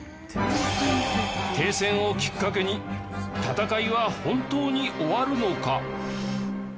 停戦をきっかけに戦いは本当に終わるのか？